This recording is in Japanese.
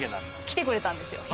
来てくれたんですよ